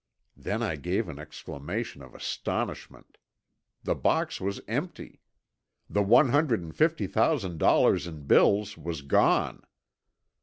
Then I gave an exclamation of astonishment. The box was empty! The one hundred and fifty thousand dollars in bills was gone!